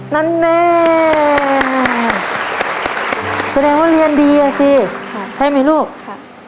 นั้นแม่เป็นไงว่าเรียนดีอะสิใช่ไหมลูกค่ะ